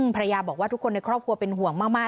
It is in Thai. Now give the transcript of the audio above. ภรรยาบอกว่าทุกคนในครอบครัวเป็นห่วงมาก